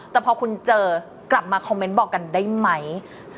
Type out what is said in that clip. แต่พอคุณเจอกลับมาคอมเมนต์บอกกันได้ไหม